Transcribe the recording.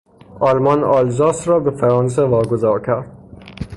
آلمان آلزاس را به فرانسه واگذار کرد.